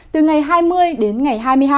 từ ngày hai mươi đến ngày hai mươi hai